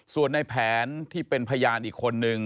ส่วนในแผนที่เป็นพยานอีกคนนึง